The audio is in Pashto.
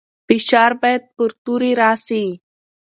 فشار باید پر توري راسي.